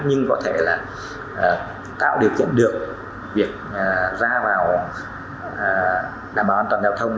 nhưng có thể là tạo điều kiện được việc ra vào đảm bảo an toàn giao thông